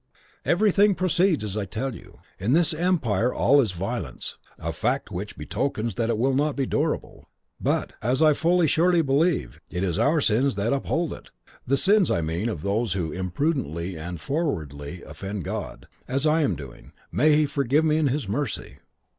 "Everything proceeds as I tell you; in this empire all is violence: a fact which betokens that it will not be durable; but, as I full surely believe, it is our sins that uphold it, the sins, I mean, of those who imprudently and forwardly offend God, as I am doing: may he forgive me in his mercy!